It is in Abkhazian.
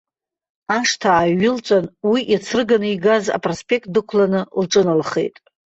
Ашҭа ааиҩылҵәан, уи иацрыганы игаз апроспект дықәланы лҿыналхеит.